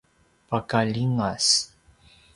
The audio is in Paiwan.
paka ljingas